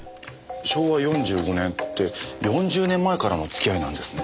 昭和４５年って４０年前からの付き合いなんですね。